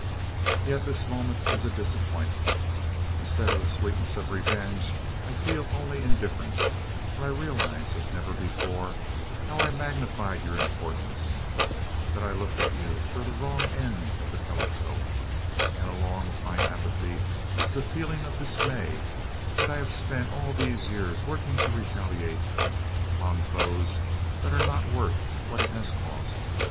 "Yet this moment is a disappointment. Instead of the sweetness of revenge, I feel only indifference, for I realize as never before how I magnified your importance, that I looked at you through the wrong end of the telescope; and along with my apathy is a feeling of dismay that I have spent all these years working to retaliate upon foes that are not worth what it has cost.